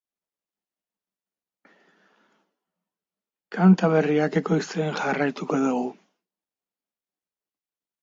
Orain, badirudi, ez dutela aurrera jarraituko kanta berrien ekoizpenarekin.